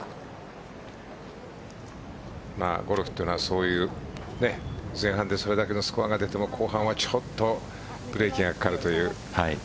ゴルフというのは前半でそれだけのスコアが出ても後半はちょっとブレーキがかかるという。